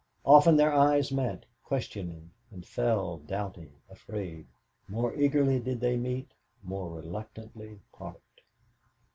Often their eyes met questioning and fell doubting, afraid; more eagerly did they meet, more reluctantly part.